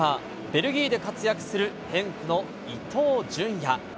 ベルギーで活躍するヘンクの伊東純也。